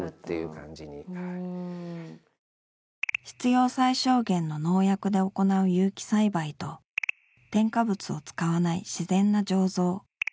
必要最小限の農薬で行う有機栽培と添加物を使わない自然な醸造。